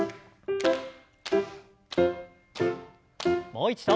もう一度。